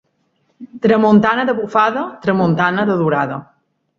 Tramuntana de bufada, tramuntana de durada.